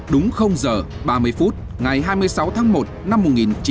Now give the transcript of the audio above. đúng giờ ba mươi phút ngày hai mươi sáu tháng một năm một nghìn chín trăm sáu mươi